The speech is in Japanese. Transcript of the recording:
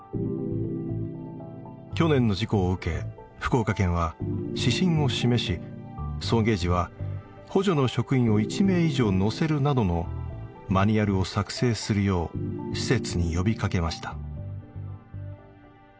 去年の事故を受け福岡県は指針を示し送迎時は補助の職員を１名以上乗せるなどのマニュアルを作成するよう施設に呼びかけました。